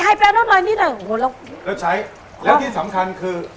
ไอ้ไฮแปรนอันนี้หน่อยโอ้โหแล้วแล้วใช้แล้วที่สำคัญคือ